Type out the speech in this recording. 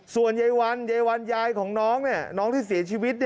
ส่วนยายวันยายวันยายของน้องน้องที่เสียชีวิต